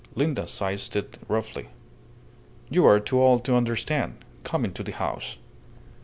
Linda seized it roughly. "You are too old to understand. Come into the house."